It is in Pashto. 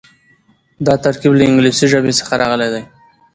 دا ترکيب له انګليسي ژبې څخه راغلی دی.